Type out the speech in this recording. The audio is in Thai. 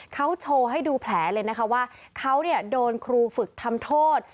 เขาโชว์ให้ดูแผลเลยนะคะว่าเขาโดนครูฝึกทำโทษ